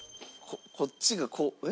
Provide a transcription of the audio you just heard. こっちがこうえっ？